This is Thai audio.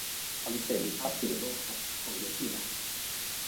วันเสรีภาพสื่อโลกฮะ สมยศอยู่ไหน